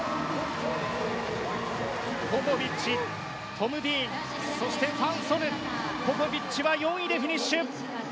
ポポビッチ、トム・ディーンそしてファン・ソヌポポビッチは４位でフィニッシュ。